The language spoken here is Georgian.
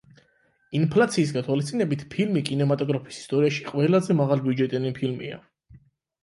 ინფლაციის გათვალისწინებით ფილმი კინემატოგრაფიის ისტორიაში ყველაზე მაღალბიუჯეტიანი ფილმია.